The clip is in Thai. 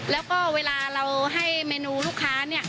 แล้วก็เวลาเราให้เมนูลูกค้าเนี่ย